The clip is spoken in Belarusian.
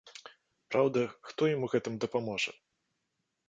Праўда, хто ім у гэтым дапаможа?